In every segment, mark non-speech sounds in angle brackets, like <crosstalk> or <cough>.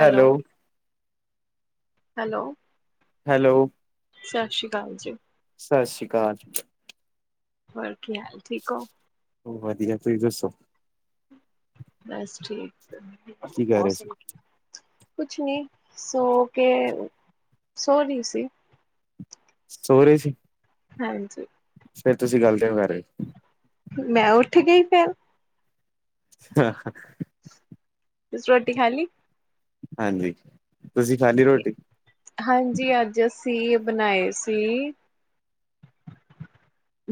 Hello hello hello ਸਤਿ ਸ਼੍ਰੀ ਅਕਾਲ ਜੀ ਸਤਿ ਸ੍ਰੀ ਅਕਾਲ <unintelligible> ਠੀਕ ਹੋ? ਉਹ ਵਧੀਆ ਤੁਸੀਂ ਦੱਸੋ ਬਸ ਠੀਕ ਕੀ ਕਰ ਰਹੇ <unintelligible> ਸੀ ਕੁਛ ਨੀ ਸੋ ਕੇ ਸੋਰੀ ਸੀ ਸੋ ਰਹੇ ਸੀ ਹਾਂਜੀ ਫੇਰ ਤੁਸੀਂ <unintelligible> ਮੈਂ ਉੱਠ ਗਈ ਫੇਰ ਹਹ ਤੁਸੀਂ ਰੋਟੀ ਖਾਲੀ ਹਾਂਜੀ ਤੁਸੀਂ ਖਾ ਲਈ ਰੋਟੀ ਸੀ ਬਣਾਏ ਸੀ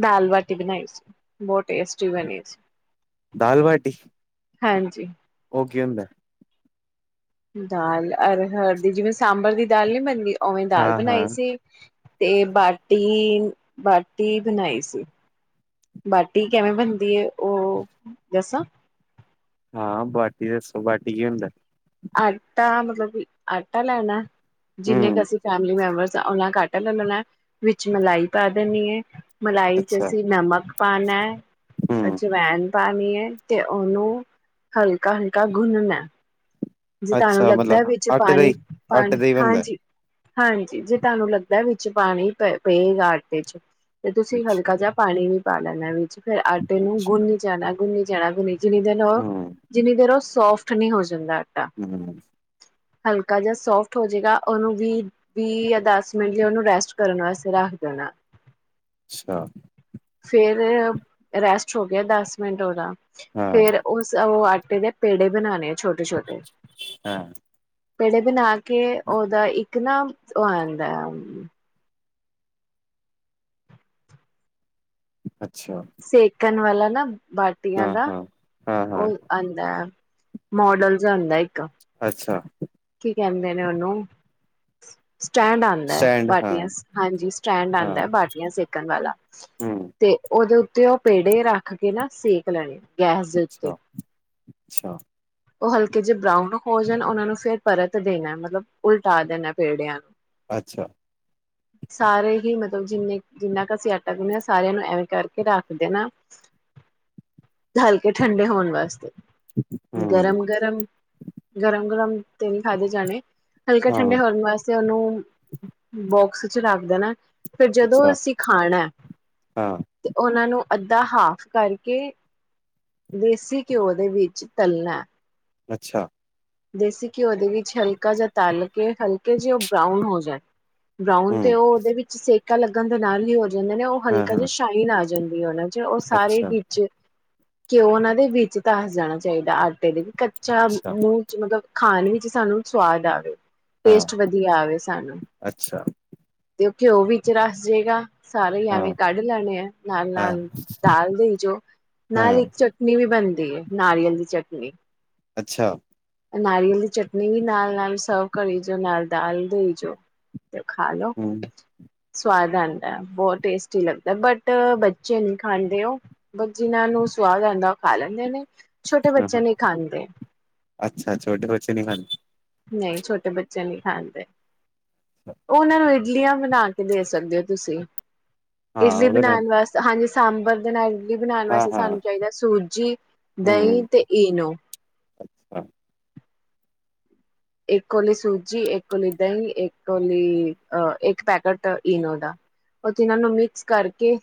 ਦਾਲ ਬਾਟੀ ਬਣਾਈ ਸੀ ਬਹੁਤ ਟੇਸਟੀ ਬਣੀ ਸੀ ਦਾਲ ਬਾਟੀ ਹਾਂਜੀ ਉਹ ਕੀ ਹੁੰਦਾ? ਦਾਲ ਹਰ ਹਰ ਦੀ ਜਿਵੇਂ ਸਾਂਬਰ ਦੀ ਦਾਲ ਨਹੀਂ ਬਣਦੀ ਉਵੇਂ ਦਾਲ ਹਾਂ ਬਣਾਈ ਹਾਂ ਸੀ ਤੇ ਬਾਟੀ ਬਾਟੀ ਬਣਾਈ ਸੀ ਬਾਟੀ ਕਿਵੇਂ ਬਣਦੀ ਉਹ ਦੱਸਾਂ ਹਾਂ ਬਾਟੀ ਦੱਸੋ ਬਾਟੀ ਕੀ ਹੁੰਦਾ ਆਟਾ ਮਤਲਬ ਕਿ ਆਟਾ ਲੈਣਾ ਜਿੰਨੇ ਕੁ ਹਮ ਅਸੀਂ ਫੈਮਿਲੀ ਮੈਂਬਰ ਓਨਾ ਕਿ ਆਟਾ ਲੈ ਲੈਣਾ ਵਿੱਚ ਮਲਾਈ ਪਾ ਦੇਣੀ ਹੈ ਮਲਾਈ ਚ ਅੱਛਾ ਅਸੀਂ ਨਮਕ ਪਾਨ ਹੈ। ਹਮ ਅੱਛਾ ਵੈਨ। ਪਾਣੀ ਐ ਤੇ ਉਹਨੂੰ ਹਲਕਾ ਹਲਕਾ ਗੁੰਨਣਾ ਐ। ਜੇ ਤੁਹਾਨੂੰ ਅੱਛਾ ਲੱਗਦਾ ਐ ਮਤਲਬ ਵਿੱਚ ਆਟੇ ਦਾ ਪਾਣੀ ਹੀ ਆਟੇ ਪਾਣੀ ਦਾ ਹੀ ਬਣਦਾ ਹਾਂਜੀ। ਹਾਂਜੀ ਜੇ ਤੁਹਾਨੂੰ ਲੱਗਦਾ ਐ ਵਿੱਚ ਪਾਣੀ ਪਏਗਾ ਆਟੇ ਚ। ਤੇ ਤੁਸੀਂ ਅੱਛਾ ਹਲਕਾ ਜਿਹਾ ਪਾਣੀ ਵੀ ਪਾ ਲੈਣਾ ਵੀ ਫਿਰ ਆਟੇ ਨੂੰ ਅੱਛਾ ਗੁੰਨੀ ਜਾਣਾ। ਗੁੰਨੀ ਜਾਣਾ ਗੁੰਨੀ ਜਿਨੀ ਦੇਰ ਨੂੰ ਉਹ ਹਮ ਜਿਨੀ ਦੇਰ ਉਹ ਸੋਫਟ ਨਹੀਂ ਹੋ ਜਾਂਦਾ। ਆਟਾ ਹੂੰ। ਹਲਕਾ ਜਿਹਾ ਸੋਫਟ ਹੋ ਜਾਏਗਾ। ਉਹਨੂੰ ਵੀਹ ਵੀਹ ਜਾਂ ਦਸ ਮਿੰਟ ਲਈ ਉਹਨੂੰ ਰੈਸਟ ਕਰਨ ਵਾਸਤੇ ਰੱਖ ਦੇਣਾ। ਅੱਛਾ। ਫੇਰ ਰੈਸਟ ਹੋ ਗਿਆ, ਦਸ ਮਿੰਟ ਉਹਦਾ। ਹਾਂ ਫੇਰ ਉਸ ਉਹ ਟੇ ਦੇ ਪੇੜੇ ਬਣਾਉਣੇ ਆ ਛੋਟੇ-ਛੋਟੇ। ਹਾਂ। ਪੇੜੇ ਬਣਾ ਕੇ ਉਹਦਾ ਇੱਕ ਨਾ ਉਹ ਆਉਂਦਾ ਐ। ਅੱਛਾ ਸੇਕਣ ਵਾਲਾ ਹਨਾਂ। ਬਾਟੀਆਂ ਹਾਂ ਦਾ। ਹਾਂ ਹਾਂ ਹਾਂ ਉਹ ਆਉਂਦਾ। ਮੋਡਲ ਆਉਦਾ ਇੱਕ। ਅੱਛਾ। ਕੀ ਕਹਿੰਦੇ ਨੇ ਉਹਨੂੰ। ਸਟੈਂਡ ਆਉਂਦਾ ਐ, ਸਟੈਂਡ ਹਾਂ ਬਾਟੀਆਂ ਹਾਂਜੀ ਸਟੈਂਡ ਹਾਂ ਆਉਂਦਾ ਐ, ਬਾਟੀਆਂ ਸੇਕਣ ਵਾਲਾ ਹਮ ਤੇ ਉਹਦੇ ਉਹ ਤੇ ਉਹ ਪੇੜੇ ਰੱਖ ਕੇ ਨਾ ਸੇਕ ਲੈਣੇ ਗੈਸ ਦੇ ਉੱਤੇ ਅੱਛਾ ਅੱਛਾ। ਉਹ ਹਲਕੇ ਜਿਹੇ ਬਰਾਊਨ ਹੋ ਜਾਣ ਉਹਨਾਂ ਨੂੰ ਫਿਰ ਪਰਤ ਦੇਣਾ ਮਤਲਬ ਉਲਟਾ ਦੇਣਾ ਪੇੜਿਆਂ ਨੂੰ। ਅੱਛਾ। ਸਾਰੇ ਹੀ ਮਤਲਬ ਜਿੰਨੇ ਜਿੰਨਾ ਕੁ ਅਸੀਂ ਆਟਾ ਗੁੰਨਿਆ, ਸਾਰਿਆਂ ਨੂੰ ਐਵੇਂ ਕਰਕੇ ਰੱਖ ਦੇਣਾ, ਹਲਕੇ ਠੰਡੇ ਹੋਣ ਵਾਸਤੇ। ਗਰਮ-ਗਰਮ ਗਰਮ-ਗਰਮ ਤੇ ਨਹੀਂ ਖਾਦੇ ਜਾਣੇ। ਹਲਕੇ ਠੰਡੇ ਹੋਰਨ ਵਾਸਤੇ ਉਹਨੂੰ ਬਹੁਤ ਬਸ ਚ ਰੱਖਦੇ ਨਾ। ਫਿਰ ਜਦੋਂ ਅਸੀਂ ਖਾਣਾ ਤੇ ਉਹਨਾਂ ਨੂੰ ਅੱਧਾ ਹਾਫ ਕਰਕੇ। ਦੇਸੀ ਘਿਓ ਦੇ ਵਿੱਚ ਤਲਣਾ। ਅੱਛਾ। ਦੇਸੀ ਘਿਓ ਦੇ ਵਿੱਚ ਹਲਕਾ ਜਾਂ ਤਲ ਕੇ, ਹਲਕੇ ਜਿ ਉਹ ਬਰਾਊਨ ਹੋ ਜਾਏ। ਬਰਾਊਨ ਤੇ ਉਹ ਉਹਦੇ ਵਿੱਚ ਸੇਕ ਪਤਾ ਲੱਗਣ ਦੇ ਨਾਲ ਹੀ ਓਹ ਜਾਂਦੇ ਨੇ ਉਹ ਹਲਕਾ ਜ ਸ਼ਾਈਨ ਆ ਜਾਏ। ਉਹਨਾਂ ਚ ਉਹ ਸਾਰੇ ਵਿੱਚ ਘਿਓ ਉਹਨਾਂ ਦੇ ਵਿੱਚ ਤਾਂ ਜਾਣਾ ਚਾਹੀਦਾ, ਆਟੇ ਦੇ ਵੀ। ਕੱਚਾ ਨੂੰ ਖਾਣ ਵਿੱਚ ਸਾਨੂੰ ਸਵਾਦ ਆਵੇ। ਟੇਸਟ ਵਧੀਆ ਆਵੇ ਸਾਨੂੰ, ਤੇ ਘਿਓ ਵਿੱਚ ਰਸ ਜੇਗਾ। ਸਾਰੇ ਈ ਐਵੇਂ ਕੱਢ ਲੈਣੇ ਆ, ਨਾਲ-ਨਾਲ ਦਾਲ ਦੇ ਵਿੱਚੋ, ਨਾਲ ਇੱਕ ਚਟਨੀ ਵੀ ਬਣਦੀ ਤੇ ਨਾਰੀਅਲ ਦੀ ਚਟਨੀ। ਅੱਛਾ। ਨਾਰੀਅਲ ਦੀ ਚਟਨੀ ਵੀ ਨਾਲ-ਨਾਲ ਸਰਵ ਕਰੀ ਜਾਓ, ਨਾਲ ਦਾਲ ਦੇਈ ਜਾਓ। ਤੇ ਖਾ ਲਓ। ਹੂੰ ਸਵਾਦ ਆਉਂਦਾ ਬਹੁਤ ਟੇਸਟੀ ਲੱਗਦਾ, ਬਟ ਬੱਚੇ ਨਹੀਂ ਖਾਂਦੇ, ਉਹ ਬੱਚਿਆਂ ਨੂੰ ਸਵਾਦ ਆਉਂਦਾ ਉਹ ਖਾ ਲੈਂਦੇ ਨੇ। ਛੋਟੇ ਹਾਂ ਬੱਚੇ ਨਹੀਂ ਖਾਂਦੇ। ਅੱਛਾ, ਛੋਟੇ ਬੱਚੇ ਨੀ ਖਾਂਦੇ। ਨਹੀਂ ਛੋਟੇ ਬੱਚੇ ਨਹੀਂ ਖਾਂਦੇ। ਉਹ ਉਹਨਾਂ ਨੂੰ ਇ ਇਡਲੀਆਂ ਬਣਾ ਕੇ ਦੇ ਸਕਦੇ ਹੋ ਤੁਸੀਂ। ਹਾਂ ਇਡਲੀ ਉਹਦੇ ਨਾਲ ਬਣਾਉਣ ਵਾਸਤੇ, ਹਾਂਜੀ। ਸਾਂਬਰ ਦੇ ਨਾਲ ਵੀ ਬਣਾਉਣ ਹਾਂ ਵਾਸਤੇ ਹਾਂ ਸਾਨੂੰ ਚਾਹੀਦਾ ਸੂਜੀ, ਦਹੀਂ ਹੂੰ ਤੇ ਈਨੋ। ਇੱਕ ਕੋਲੀ ਸੂਜੀ, ਇੱਕ ਕੋਲੀ ਦਹੀਂ, ਇੱਕ ਕੋਲੀ ਅਹ ਇੱਕ ਪੈਕੇਟ ਈਨੋ ਦਾ, ਉਹ ਤਿੰਨਾਂ ਨੂੰ ਮਿਕਸ ਕਰਕੇ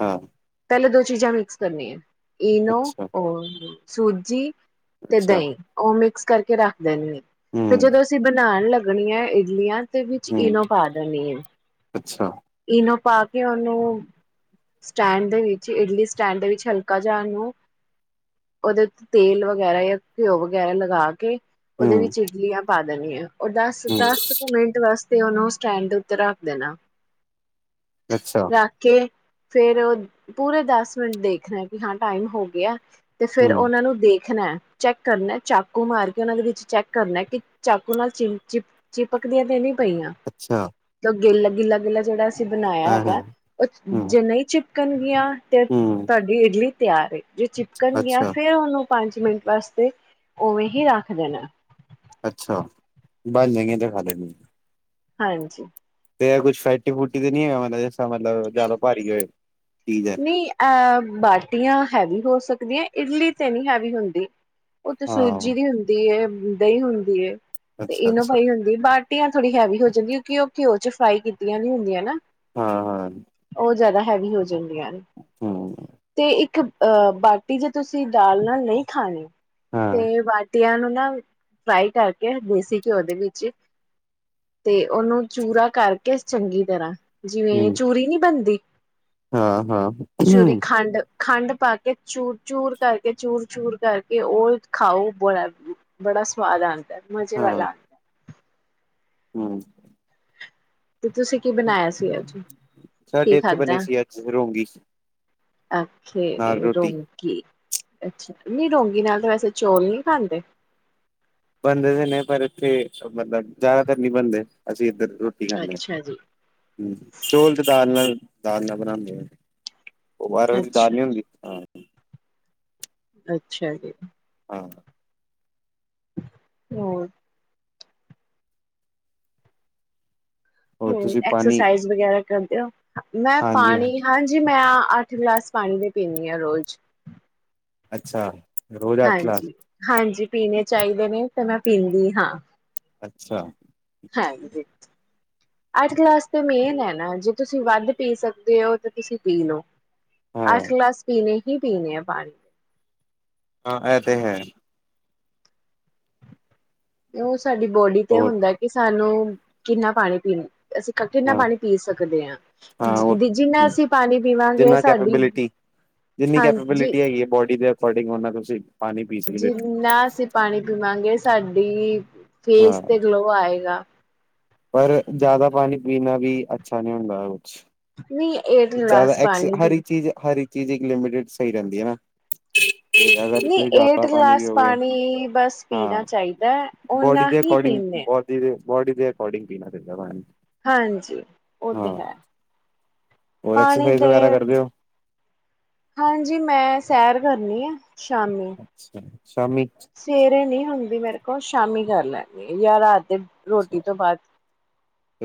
ਹਾਂ। ਪਹਿਲੇ ਦੋ ਚੀਜ਼ਾਂ ਮਿਕਸ ਕਰਨੀਆਂ। ਇਨੋ ਅੱਛਾ ਔਰ ਸੂਜੀ। ਤੇ ਅੱਛਾ ਦਹੀਂ, ਉਹ ਮਿ ਮਿਕਸ ਕਰਕੇ ਰੱਖਦੇ ਨੇ। ਫਿਰ ਹੂੰ ਜਦੋਂ ਅਸੀਂ ਬਣਾਣ ਲੱਗ ਘਣੀਆਂ ਇਡਲੀਆਂ ਦੇ ਵਿੱਚ ਹੂੰ ਇਨੋ ਪਾ ਦੇਨੀ ਏ ਅੱਛਾ ਇਨੋ ਪਾ ਕੇ ਉਹਨੂੰ, ਸਟੈਂਡ ਦੇ ਵਿੱਚ ਇਡਲੀ ਸਟੈਂਡ ਦੇ ਵਿੱਚ ਹਲਕਾ ਜਾ ਇਹਨੂੰ, ਉਹਦੇ ਤੇ ਤੇਲ ਵਗੈਰਾ ਯਾ ਘਿਓ ਵਗੈਰਾ ਲਗਾ ਕੇ ਹੂੰ। ਉਹਦੇ ਵਿੱਚ ਇਡਲੀਆਂ ਪਾ ਦੇਣੀ ਆ। ਉਹ ਦਸ ਹੂੰ ਦਸ ਕੁ ਮਿੰਟ ਵਾਸਤ ਤੇ ਉਹਨੂੰ ਸਟੈਂਡ ਉੱਤੇ ਰੱਖ ਦੇਣਾ। ਅੱਛਾ ਰਖ ਕੇ ਫੇਰ ਪੂਰੇ ਦਸ ਮਿੰਟ ਦੇਖਣਾ ਕਿ ਹਾਂ ਟਾਈਮ ਹੋ ਗਿਆ। ਤੇ ਫੇਰ ਹੂੰ ਉਹਨਾ ਨੂੰ ਦੇਖ ਦੇਣਾ। ਚੈਕ ਕਰਨਾ, ਚਾਕੂ ਮਾਰ ਕੇ ਉਹਨਾ ਦੇ ਵਿੱਚ ਚੈਕ ਕਰਨਾ ਕਿ ਚਾਕੂ ਨਾਲ ਚਿਮ ਚਿਪ ਚਿਪਕਦੀਆਂ ਦੇ ਤੇ ਨਹੀਂ। ਪਈਆਂ ਅੱਛਾ <inaudible> ਗਿੱਲ, ਗਿੱਲਾਗਿੱਲਾ ਜਿਹੜਾ ਬਣਾਇਆ ਹਾਂ ਹਾਂ ਹੈਗਾ। ਉਹ ਹੂੰ ਜੇ ਨਹੀਂ ਚਿਪ ਕੰੰਗੀਆਂ। ਤੇ ਹੂੰ ਤੁਹਾਡੀ ਇਡਲੀ ਤਿਆਰ ਏ। ਜੋ ਚਿਪਕਣ ਗਿਆ ਅੱਛਾ ਫੇਰ ਉਹਨੂੰ ਪੰਜ ਮਿੰਟ ਵਾਸਤੇ ਉਵੇਂ ਹੀ ਰੱਖ ਦੇਣਾ। ਅੱਛਾ ਬਾਲ ਲਗੇ ਤੇ ਖਾੇ <unintelligible> ਹਾਂਜੀ। ਤੇ ਕੁਛ ਫੈਟੀ ਫੂਟੀ ਤੇ ਨੀ ਹੈ ਮਾੜਾ ਜਾ ਜਿਸ ਤ ਮਤਲਬ ਜਿਆਦਾ ਭਾਰੀ ਹੋਏ। ਚੀਜ਼ ਹੈ ਨਹੀਂ ਇਹ ਬਾਟੀਆਂ ਹੈਵੀ ਹੋ ਸਕ ਦੀਆ। ਇਡਲੀ ਤੇ ਨਹੀਂ ਹੈਵੀ ਹੁੰਦੀ। ਉਹ ਤੇ ਹਾਂ, ਸੂਜੀ ਦੀ ਹੁੰਦੀ ਏ। ਦਹੀਂ ਹੁੰਦੀ ਏ। ਤੇ ਇਨੋ ਅੱਛਾ-ਅੱਛਾ, ਪਾਈ ਹੁੰਦੀ, ਬਾਟੀਆਂ ਥੋੜ੍ਹੀ ਹੈਵੀ ਹੋ ਜਾਂਦੀ ਕਿਉਂਕਿ ਉਹ ਘਿਓ ਚ ਫਰਾਈ ਕੀਤੀਆਂ ਨੀ ਹੁੰਦੀਆਂ ਨਾ। ਹਾਂ-ਹਾਂ, ਉਹ ਜ਼ਿਆਦਾ ਹੈਵੀ ਹੋ ਜਾਣ ਦਿਆ। ਹੂੰ, ਤੇ ਇੱਕ ਅਹ ਬਾਟੀ ਜੇ ਤੁਸੀਂ ਦਾਲ ਨਾਲ ਨਹੀਂ ਖਾਨੀਂ ਹਾਂ, ਤੇ ਬਾਟੀਆਂ ਨੂੰ ਫਰਾਈ ਕਰਕੇ ਦੇਸੀ ਘਿਓ ਦੇ ਵਿੱਚ ਤੇ ਉਹਨੂੰ ਚੂਰਾ ਕਰਕੇ ਚੰਗੀ ਤਰ੍ਹਾਂ ਜਿਵੇਂ ਚੂਰੀ ਨੀ ਬਣਦੀ ਹਾਂ ਹਾਂ ਚੂਰੀ ਖੰਡ ਖੰਡ ਪਾਕੇ ਚ ਚੂਰ ਕਰਕੇ ਚੂਰ ਚੂਰ ਕਰਕੇ ਉਹ ਖਾਓ ਬੜਾ ਬੜਾ ਸਵਾਦ ਆਉਂਦਾ ਮਜ਼ੇ ਵਾਲਾ ਆ ਹਮ ਤੇ ਤੁਸੀਂ ਕੀ ਬਣਾਇਆ ਸੀ ਅੱਜ ਕੀ ਸਾਡੇ ਖਾ ਇੱਥੇ ਦਾ ਬਣੀ ਸੀ ਅੱਜ ਰੋਂਗੀ ਅੱਛਾ ਨਾਲ ਨ ਰੋਟੀ। ਰੋਂਗੀ ਨਾਲ ਵੈਸੇ ਚੌਲ ਨਹੀਂ ਖਾਂਦੇ ਇੱਧਰ ਰੋਟੀ ਖਾਂਦੇ ਹ ਅੱਛਾ ਜੀ ਹ ਚੋਲ ਤੇ ਦਾਲ ਨਾਲ ਦਾਲ ਨਾਲ਼ ਬਣਾਦੇ ਉਹਾਰ ਉਹ ਦੀ ਦਾਲ ਅੱਛਾ ਨੀ ਹੁੰਦੀ ਹ ਅੱਛਾ ਜੀ ਹਾਂ ਹੋਰ ਹੋਰ ਹਮ ਤੁਸੀਂ ਪਾਣੀ ਐਕਸਰਸਾਈਜ਼ ਵਗੈਰਾ ਕਰਦੇਓ ਮੈਂ ਹਾਂਜੀ ਹਾਂ ਪਾਣੀ ਹਾਂਜੀ ਮੈਂ ਅੱਠ ਗਲਾਸ ਪਾਣੀ ਦੇ ਪੀਦੀ ਹਾਂ ਰੋਜ਼ ਅੱਛਾ ਰੋਜ਼ ਅੱਠ ਗਲਾਸ ਹਾਂਜੀ ਹਾਂਜੀ ਪੀਣੇ ਚਾਹੀਦੇ ਨੇ ਤੇ ਮੈਂ ਪੀਂਦੀ ਹਾਂ ਅੱਛਾ ਹੈ ਜ ਅੱਠ ਕਲਾਸ ਤੇ ਮੇਨ ਹੈ ਨਾ ਜੇ ਤੁਸੀਂ ਵੱਧ ਪੀ ਸਕਦੇ ਹੋ ਤਾਂ ਤੁਸੀਂ ਪੀ ਲਓ ਅੱਠ ਹਾਂ, ਗਲਾਸ ਪੀਣੇ ਕੀ ਪੀਣੇ ਆ ਪਾਣੀ ਹਾਂ ਇਹ ਤੇ ਹੈ ਇਹੋ ਸਾਡੀ ਬੋਡੀ ਤੇ ਹੋਰ ਹੁੰਦਾ ਕਿ ਸਾਨੂੰ ਕਿੰਨਾ ਪਾਣੀ ਪੀਣੇ ਅਸੀਂ ਕਿੰਨਾ ਹਾਂ, ਪਾਣੀ ਪੀ ਸਕਦੇ ਹਾਂ, ਹਾਂ ਹੋਰ ਜਿਨ੍ਹਾਂ ਅਸੀਂ ਪਾਣੀ ਪੀਵਾਂਗੇ, ਜਿੰਨਾ ਸਾਡੀ ਕੈਪੇਬਿਲਿਟੀ ਹਾਂਜੀ ਫਟਿੰਗ ਹਨਾ ਤੁਸੀਂ ਪਾਣੀ ਪੀ ਸਕਦੇ ਜਿੰਨਾਸੀ ਪਾਣੀ ਪੀ ਵਾਂਗੇ ਸਾਡੀ ਹੋ। ਫੇਸ ਤੇ ਹਾਂ ਗਲੋ ਆਏਗਾ ਪਰ ਜ਼ਿਆਦਾ ਪਾਣੀ ਪੀਣਾ ਵੀ ਅੱਛਾ ਨਹੀਂ ਹੁੰਦਾ ਕੁਝ ਨਹੀਂ ਏਟ ਜ਼ਿਆਦਾ ਗਲਾਸ ਐਕਸ ਪਾਣੀ ਹਰ ਪੀ ਇੱਕ ਚੀਜ਼ ਹਰ ਇੱਕ ਚੀਜ਼ ਇੱਕ ਲਿਮਟ ਸਹੀ ਰਹਿੰਦੀ ਹੈ ਨਾ ਅਗਰ ਨਹੀਂ ਤੁਸੀਂ ਏਟ ਜ਼ਿਆਦਾ ਪਾਣੀ ਗਲਾਸ ਪੀਓਗੇ ਪਾਣੀ ਬਸ ਹਾਂ ਪੀਣਾ ਚਾਹੀਦਾ ਹੈ ਬੋਡੀ ਉਹਨਾਂ ਦੇ ਹੀ ਅਕੋਰਡਿੰਗ ਪੀਂਦੇ ਹ ਬੋਡੀ ਦੇ ਬੋਡੀ ਦੇ ਅਕੋਡਿੰਗ ਪੀਣਾ ਚਾਹੀਦਾ ਹਾਂਜੀ ਉਹ ਤੇ ਹਾਂ ਹੈ ਹੋਰ ਪਾਣੀ ਐਕਸਰਸਾਈਜ਼ ਦੇ ਵਗੈਰਾ ਕਰਦੇ ਹੋ ਹਾਂਜੀ ਮੈਂ ਸੈਰ ਕਰਨੀ ਆ ਸ਼ਾਮੀ ਅੱਛਾ ਸ਼ਾਮੀ ਸਵੇਰੇ ਨੀ ਹੁੰਦੀ ਵੀ ਮੇਰੇ ਕੋਲ ਸ਼ਾਮੀ ਕਰ ਲੈਂਦੀ ਆ ਜਾਂ ਰਾਤ ਦੇ ਰੋਟੀ ਤੋਂ ਬਾਅਦ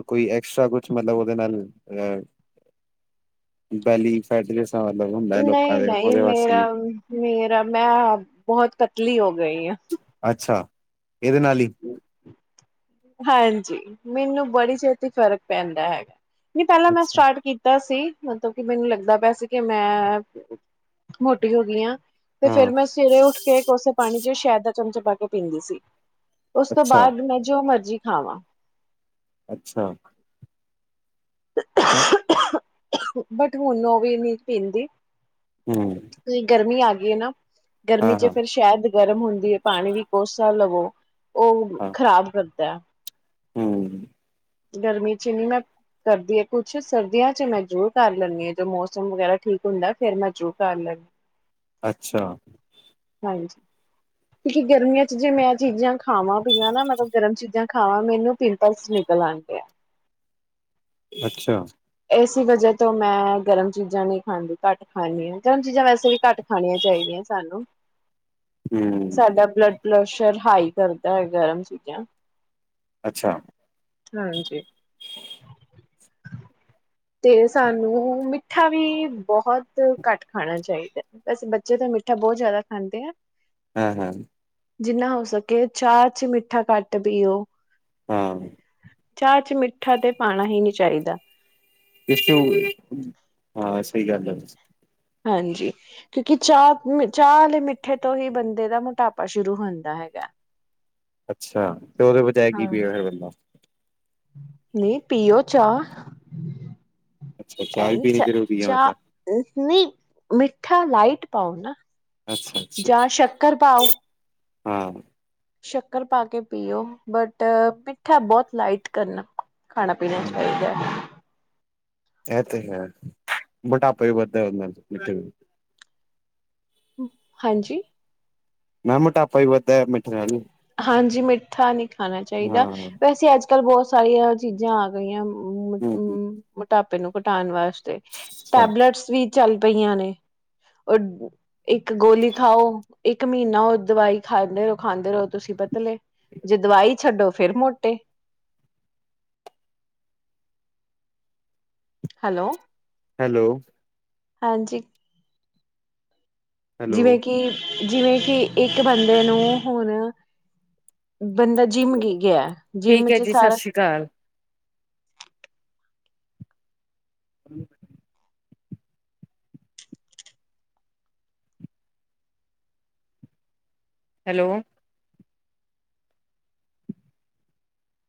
ਕੋਈ ਐਕਸਟਰਾ ਕੁਛ ਮਤਲਬ ਉਹਦੇ ਨਾਲ ਅ ਬੈਲੀ ਫੇਟਨਸ ਨਹੀਂ ਨਹੀਂ ਮੇਰਾ ਮੇਰਾ ਮੈਂ ਬਹੁਤ ਪਤਲੀ ਹੋ ਗਈ ਹਾਂ ਅੱਛਾ ਇਹਦੇ ਨਾਲ ਹੀ ਹਾਂਜੀ ਮੈਨੂੰ ਬੜੀ ਛੇਤੀ ਫ਼ਰਕ ਪੈਂਦਾ ਹੈਗਾ ਨਹੀਂ ਪਹਿਲਾਂ ਮੈਂ ਅੱਛਾ ਸਟਾਰਟ ਕੀਤਾ ਸੀ ਮਤਲਬ ਕਿ ਮੈਨੂੰ ਲੱਗਦਾ ਪਿਆ ਸੀ ਕਿ ਮੈਂ ਮੋਟੀ ਹੋ ਗਈ ਹਾਂ ਤੇ ਫੇਰ ਹਾਂ ਮੈਂ ਸਵੇਰੇ ਉੱਠ ਕੇ ਕੋਸੇ ਪਾਣੀ ਚ ਸ਼ਹਿਦ ਚਮਚੇ ਪਾ ਕੇ ਪੀਂਦੀ ਸੀ ਉਸ ਤੋਂ ਅੱਛਾ ਬਾਅਦ ਮੈਂ ਜੋ ਮਰਜ਼ ਜੀ ਖਾਵਾਂ ਅੱਛਾ ਬਟ ਹੁਣ ਉਹ ਵੀ ਨਹੀਂ ਪੀਂਦੀ ਫੇਰ ਗਰਮੀ ਆ ਗਈ ਨਾ ਗਰਮੀ ਚ ਫ਼ਿਰ ਸ਼ਾਇਦ ਗਰਮ ਹੁੰਦੀ ਹੈ ਪਾਣੀ ਵੀ ਕੋਸਾ ਲਵੋ ਉਹ ਖ਼ਰਾਬ ਕਰ <unintelligible> ਹਮ ਗਰਮੀ ਚ ਨਹੀਂ ਮੈਂ ਕਰਦੀ ਕੁਛ ਸਰਦੀਆਂ ਚ ਮੈਂ ਜ਼ਰੂਰ ਕਰ ਲੈਂਦੀ ਹਾਂ ਜਦੋਂ ਮੌਸਮ ਵਗੈਰਾ ਠੀਕ ਹੁੰਦਾ ਫਿਰ ਮੈਂ ਜਰੂਰ ਕਰ ਲੈਂਦੀ ਅੱਛਾ ਕਿਉਕਿ ਗਰਮੀਆਂ ਚ ਜੇ ਮੈਂ ਚੀਜ਼ਾਂ ਖਾਵਾਂ ਪੀਵਾ ਨਾ ਮਤਲਬ ਗਰਮ ਚੀਜ਼ਾਂ ਖਾਵਾਂ ਮੈਨੂੰ ਪਿੰਪਲਸ ਨਿਕਲ ਆਂਦੇ ਅੱਛਾ ਇਸ ਵਜ੍ਹਾ ਤੋਂ ਮੈਂ ਗਰਮ ਚੀਜ਼ਾਂ ਨਹੀਂ ਖਾਂਦੀ ਘੱਟ ਖਾਂਦੀ ਆ, ਗਰਮ ਚੀਜ਼ਾਂ ਵੈਸੇ ਵੀ ਘੱਟ ਖਾਣੀਆਂ ਚਾਹੀਦੀਆਂ ਸਾਨੂੰ ਸਾਡਾ ਬਲੱਡ ਪਲਸ਼ <unintelligible> ਹਾਈ ਕਰਦਾ ਆ, ਗਰਮ ਚੀਜ਼ਾਂ ਅੱਛਾ ਹਾਂਜੀ ਤੇ ਸਾਨੂੰ ਮਿੱਠਾ ਵੀ ਬਹੁਤ ਘੱਟ ਖਾਣਾ ਚਾਹੀਦਾ, ਵੈਸੇ ਬੱਚੇ ਤਾਂ ਮਿੱਠਾ ਬਹੁਤ ਜ਼ਿਆਦਾ ਖਾਂਦੇ ਆ। ਹੈਂ ਹੈਂ ਜਿੰਨਾ ਹੋ ਸਕੇ, ਚਾਹ ਚ ਮਿੱਠਾ ਘੱਟ ਪੀਓ। ਹਾਂ ਚਾਹ ਚ ਮਿੱਠਾ ਤੇ ਪਾਉਣਾ ਹੀ ਨਹੀਂ ਚਾਹੀਦਾ। ਹਾਂ ਸਹੀ ਗੱਲ ਹੈ ਵੈਸੇ। ਹਾਂਜੀ ਕਿਉਂਕਿ ਚਾਹ ਚਾਹ ਵਾਲੇ ਮਿੱਠੇ ਤੋਂ ਹੀ ਬੰਦੇ ਦਾ ਮੋਟਾਪਾ ਸ਼ੁਰੂ ਹੁੰਦਾ ਹੈਗਾ। ਅੱਛਾ ਤੇ ਉਹਦੇ ਬਜਾਏ ਕੀ ਹਾਂ। ਪੀ ਵੇ, ਫਿਰ ਬੰਦਾ। ਨਹੀਂ ਪੀਓ ਚਾਹ ਅੱਛਾ ਚਾਹ ਐ ਵੀ ਪੀਣੀ ਚ ਜ਼ਰੂਰੀ ਹੈ ਚਾਹ ਮਤਲਬ ਨਹੀਂ ਮਿੱਠਾ ਲਾਈਟ ਪਾਓ ਨਾ। ਅੱਛਾ ਅੱਛਾ ਜਾਂ ਸ਼ੱਕਰ ਪਾਓ। ਹਾਂ ਸ਼ੱਕਰ ਪਾ ਕੇ ਪੀਓ ਬਟ, ਮਿੱਠਾ ਬਹੁਤ ਲਾਈਟ ਕਰਨਾ। ਖਾਣਾ ਪੀਣ ਹਮ, ਚਾਹੀਦਾ। ਇਹ ਤੇ ਹੈ, ਮੋਟਾਪਾ ਹੀ ਵੱਧਦਾ ਉਹਦੇ ਨਾਲ ਤੇ ਹਾਂਜੀ ਮੈ ਕਿਹਾ ਮੋਟਾਪਾ ਹੀ ਵੱਧਦਾ ਮਿੱਠੇ ਨਾਲ ਵੀ ਹਾਂਜੀ ਮਿੱਠਾ ਨਹੀਂ ਖਾਣਾ ਚਾਹੀਦਾ। ਹਾਂ ਵੈਸੇ ਅੱਜ ਕੱਲ੍ਹ ਬਹੁਤ ਸਾਰੀਆਂ ਚੀਜ਼ਾਂ ਆ ਗਈਆਂ ਹੂੰ ਹੂੰ ਮੋਟਾਪਾ ਪੇਟ ਨੂੰ ਘਟਾਉਣ ਵਾਸਤੇ। ਤੇ ਅੱਛਾ ਟੈਬਲੇਟਸ ਵੀ ਚੱਲ ਪਈਆਂ ਨੇ, ਉਹ ਇੱਕ ਗੋਲੀ ਖਾਓ ਇੱਕ ਮਹੀਨਾ ਉਹ ਦਵਾਈ ਖਾਂਦੇ ਰਹੋ ਖਾਂਦੇ ਰਹੋ ਤੁਸੀਂ ਪਤਲੇ ਜੇ ਦਵਾਈ ਛੱਡੋ ਫਿਰ ਮੋਟੇ ਹੈਲੋ ਹੈਲੋ ਹਾਂਜੀ ਹੈਲੋ ਜਿਵੇਂ ਕਿ ਜਿਵੇਂ ਕਿ ਇੱਕ ਬੰਦੇ ਨੂੰ ਹੁਣ ਬੰਦਾ ਜਿੰਮ ਗੀ ਗਿਆ, ਜਿੰਮ ਠੀਕ ਹੈ ਚ ਜੀ ਸਤਿ ਸਾਰਾ ਸ਼੍ਰੀ ਅਕਾਲ <unintelligible> ਹੈਲੋ।